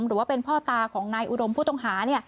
หรือว่าเป็นพ่อตาของนายอุดมผู้ต้องหา